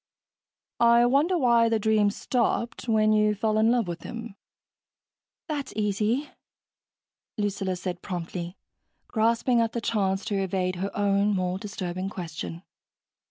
"I wonder why the dream stopped when you fell in love with him." "That's easy," Lucilla said promptly, grasping at the chance to evade her own more disturbing question.